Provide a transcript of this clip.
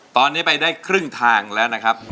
ตอนนี้ไปได้ครึ่งทางแล้วนะครับ